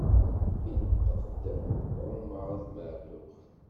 Inṭeq-d Ɛumeṛ At Maɛtuq.